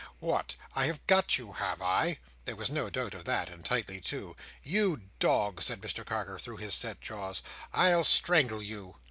"What! I have got you, have I?" There was no doubt of that, and tightly too. "You dog," said Mr Carker, through his set jaws, "I'll strangle you!"